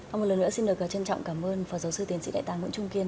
và một lần nữa xin được trân trọng cảm ơn phó giáo sư tiến sĩ đại tàng nguyễn trung kiên